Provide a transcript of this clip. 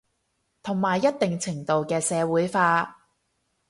同埋一定程度嘅社會化